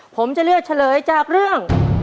ผมจะเลือกเฉลยจากเรื่อง